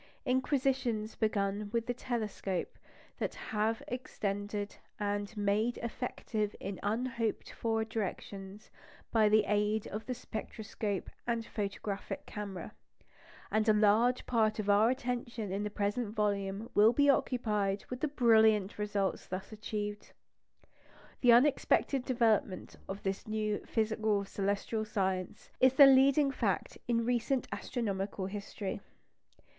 Inquisitions begun with the telescope have been extended and made effective in unhoped for directions by the aid of the spectroscope and photographic camera; and a large part of our attention in the present volume will be occupied with the brilliant results thus achieved. The unexpected development of this new physical celestial science is the leading fact in recent astronomical history.